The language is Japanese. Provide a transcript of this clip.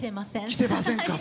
来てません。